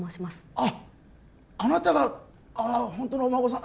あっあなたがああホントのお孫さん